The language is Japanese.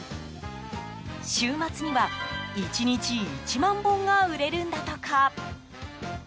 週末には１日１万本が売れるんだとか。